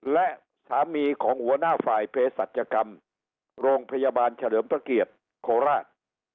และสามีของหัวหน้าฝ่ายเพศสัจกรรมโรงพยาบาลเฉลิมพระเกียรติโคราช